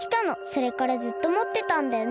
それからずっともってたんだよね。